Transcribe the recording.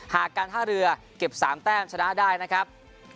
การท่าเรือเก็บ๓แต้มชนะได้นะครับ